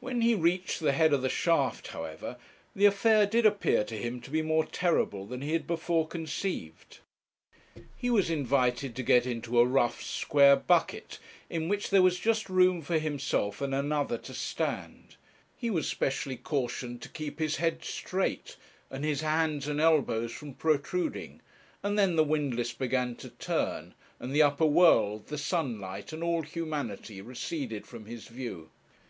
When he reached the head of the shaft, however, the affair did appear to him to be more terrible than he had before conceived. He was invited to get into a rough square bucket, in which there was just room for himself and another to stand; he was specially cautioned to keep his head straight, and his hands and elbows from protruding, and then the windlass began to turn, and the upper world, the sunlight, and all humanity receded from his view.